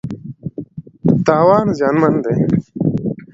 تاوان زیانمن دی.